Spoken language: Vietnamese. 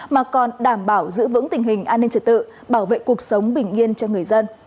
mà còn đảm bảo giữ vững tình hình an ninh trật tự bảo vệ cuộc sống bình yên cho người dân